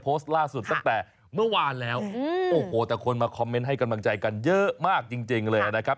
โพสต์ล่าสุดตั้งแต่เมื่อวานแล้วโอ้โหแต่คนมาคอมเมนต์ให้กำลังใจกันเยอะมากจริงเลยนะครับ